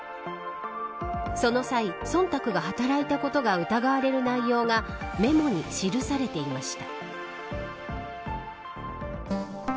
その際、忖度が働いたことが疑われる内容がメモに記されていました。